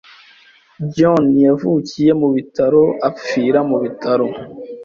John yavukiye mu bitaro apfira mu bitaro.